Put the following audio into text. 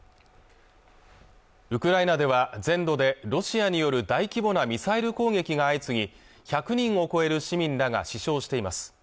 ウクライナでは全土でロシアによる大規模なミサイル攻撃が相次ぎ１００人を超える市民らが死傷しています